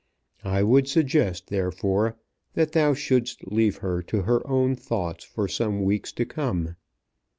I would suggest, therefore, that thou shouldst leave her to her own thoughts for some weeks to come.